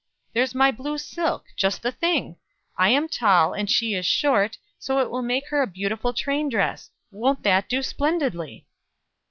There's my blue silk just the thing! I am tall, and she is short, so it will make her a beautiful train dress. Won't that do splendidly!"